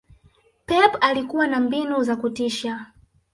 Pep alikua na mbinu za kutisha